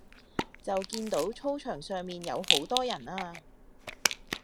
就見到操場上面有好多人呀